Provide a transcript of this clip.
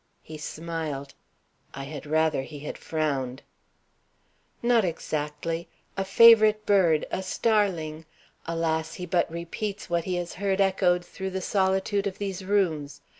He smiled; I had rather he had frowned. "Not exactly. A favorite bird, a starling. Alas! he but repeats what he has heard echoed through the solitude of these rooms.